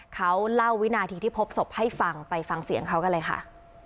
เขาเล่าวินาทีที่พบศพให้ฟังไปฟังเสียงเขากันเลยค่ะ